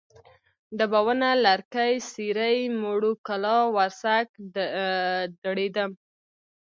ډبونه، لرکلی، سېرۍ، موړو کلا، ورسک، دړیدم